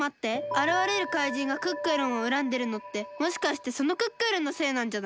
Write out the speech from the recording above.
あらわれるかいじんがクックルンをうらんでるのってもしかしてそのクックルンのせいなんじゃない？